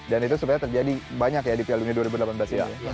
dan itu sebenarnya terjadi banyak ya di piala dunia dua ribu delapan belas ya